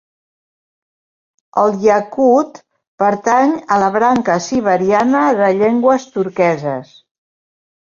El iacut pertany a la branca siberiana de llengües turqueses.